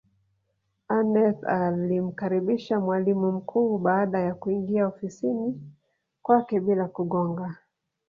Aneth alimkaribisha mwalimu mkuu baada ya kuingia ofisini kwake bila kugonga